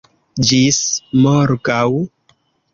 Ĝis morgaŭ!